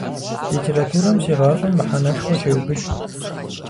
Литературэм си гъащӏэм мэхьэнэшхуэ щеубыд.